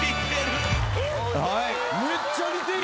めっちゃ似てる。